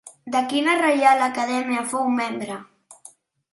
De quina Reial Acadèmia fou membre?